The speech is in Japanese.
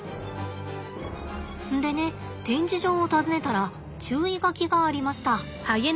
でね展示場を訪ねたら注意書きがありました。